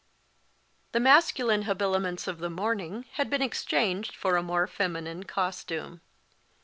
The masculine habiliments of the morning had been exchanged for a more feminine costume.